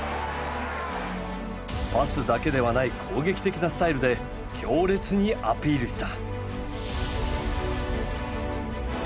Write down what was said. パスだけではない攻撃的なスタイルで強烈にアピールした。